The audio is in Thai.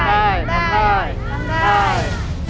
โปรดติดตามตอนต่อไป